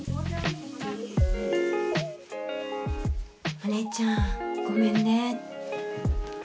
お姉ちゃんごめんね。